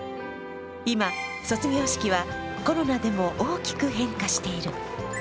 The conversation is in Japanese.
今、卒業式はコロナでも大きく変化している。